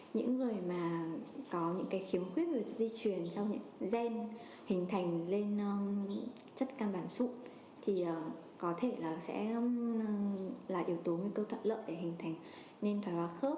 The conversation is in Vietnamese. những người mà có những khiếm khuyết về di truyền trong những gen hình thành lên chất căn bản sụn thì có thể là yếu tố nguy cơ thoát lợi để hình thành tiến triển của bệnh thói hóa khớp